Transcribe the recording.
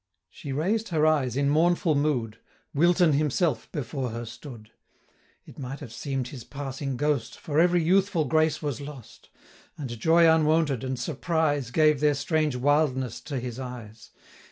She raised her eyes in mournful mood, WILTON himself before her stood! It might have seem'd his passing ghost, For every youthful grace was lost; 145 And joy unwonted, and surprise, Gave their strange wildness to his eyes.